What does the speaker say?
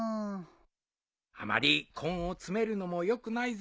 あまり根を詰めるのもよくないぞ。